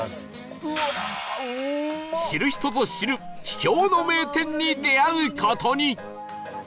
知る人ぞ知る秘境の名店に出会う事に